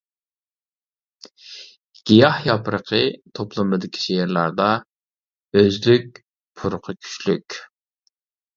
«گىياھ ياپرىقى» توپلىمىدىكى شېئىرلاردا «ئۆزلۈك» پۇرىقى كۈچلۈك.